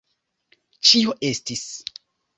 Ĉio estis.